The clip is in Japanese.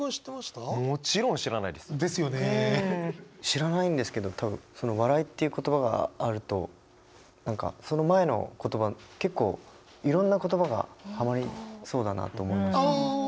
知らないんですけど多分その「笑い」っていう言葉があると何かその前の言葉結構いろんな言葉がハマりそうだなと思いました。